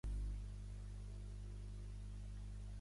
Bissett resideix a Seattle.